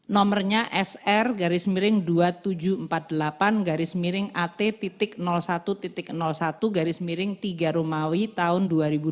nomernya sr dua ribu tujuh ratus empat puluh delapan at satu satu tiga rumawi tahun dua ribu dua puluh tiga